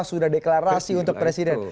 sudah deklarasi untuk presiden